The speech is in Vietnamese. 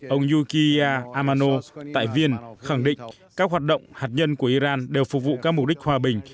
ông yukiya amano tại viên khẳng định các hoạt động hạt nhân của iran đều phục vụ các mục đích hòa bình